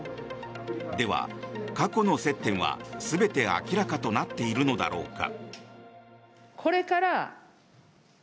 では、過去の接点は全て明らかとなっているのだろうか。